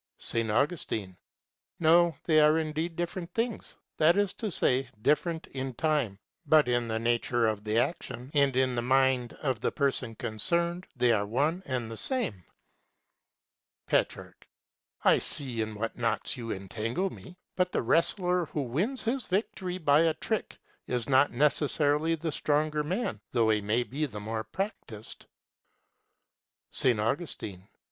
S. Augustine. No, they are indeed different things; that is to say, different in time, but in the nature of the action and in the mind of the person concerned they are one and the same. Petrarch. I see in what knots you entangle me. But the wrestler who wins his victory by a trick is not necessarily the stronger man, though he may be the more practised. _S. Augustine.